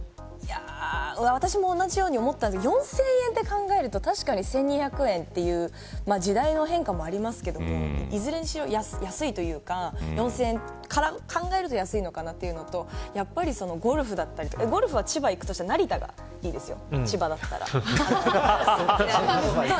私も同じように思ったんですけど４０００円と考えると確かに１２００円というと時代の変化もありますけどいずれにしろ安いというか４０００円から考えると安いのかなというのとゴルフは千葉に行くとしたら成田がいいですよ。